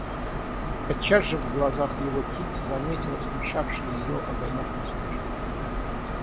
И тотчас же в глазах его Кити заметила смущавший её огонек насмешки.